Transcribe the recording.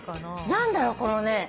何だろうこのね。